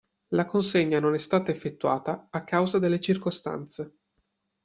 La consegna non è stata effettuata a causa delle circostanze.